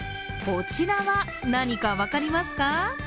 こちらは何か分かりますか？